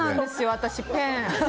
私、ペンが。